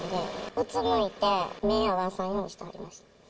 うつむいて、目合わさんようにしてはりました。